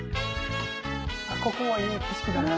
ここもいい景色だな。